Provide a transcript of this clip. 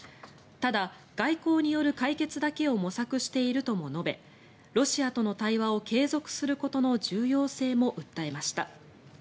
ただ、外交による解決だけを模索しているとも述べロシアとの対話を継続することの重要性も訴えました。